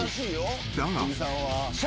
［だが］